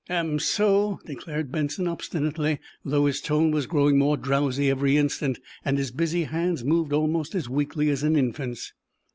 "Am so," declared Benson, obstinately, though his tone was growing more drowsy every instant, and his busy hands moved almost as weakly as an infant's.